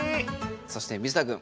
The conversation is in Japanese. そして水田くん。